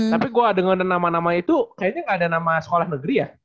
tapi gue dengerin nama nama itu kayaknya nggak ada nama sekolah negeri ya